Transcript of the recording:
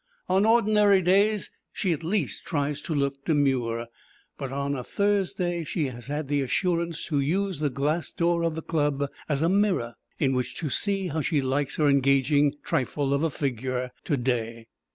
On ordinary days she at least tries to look demure, but on a Thursday she has had the assurance to use the glass door of the club as a mirror in which to see how she likes her engaging trifle of a figure to day.